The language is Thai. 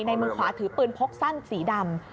มือขวาถือปืนพกสั้นสีดำ